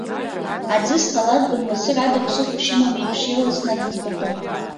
Аӡы зҵалаз дымласыр ада ԥсыхәа шимам еиԥш, ирласны ак ӡбатәын.